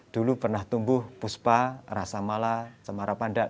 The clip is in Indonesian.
dulu pernah tumbuh puspa rasa mala cemara pandak